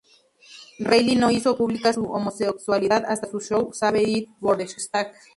Reilly no hizo pública su homosexualidad hasta su show "Save It for the Stage".